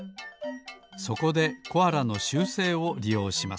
そこでコアラの習性をりようします。